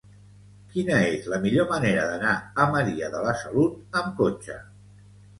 Quina és la millor manera d'anar a Maria de la Salut amb cotxe?